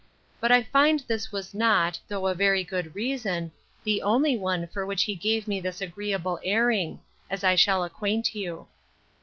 But I find this was not, though a very good reason, the only one for which he gave me this agreeable airing; as I shall acquaint you.